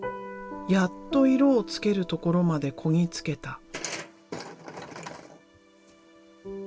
やっと色をつけるところまでこぎ着けた。